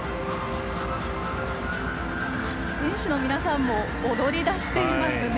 選手の皆さんも踊りだしていますね。